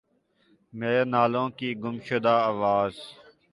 میرے نالوں کی گم شدہ آواز